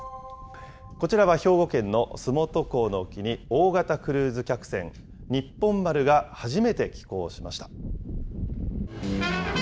こちらは兵庫県の洲本港の沖に、大型クルーズ客船、にっぽん丸が初めて寄港しました。